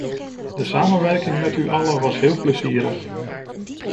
De samenwerking met u allen was heel plezierig.